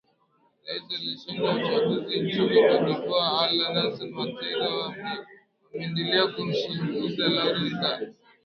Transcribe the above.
rais aliyeshinda uchaguzi nchini cote devoire alan hassan watera ameendelea kumshinikiza lauren bagbo